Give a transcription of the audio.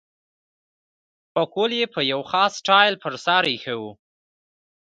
پکول یې په یو خاص سټایل پر سر اېښی وو.